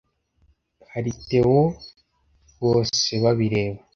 hari Theo Bosebabireba